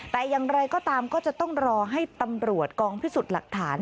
แต่อย่างไรก็ตามก็จะต้องรอให้ตำรวจกองพิสูจน์หลักฐาน